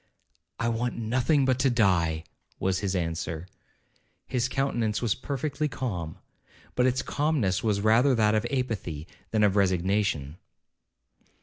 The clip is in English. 'I want nothing but to die,' was his answer. His countenance was perfectly calm, but its calmness was rather that of apathy than of resignation.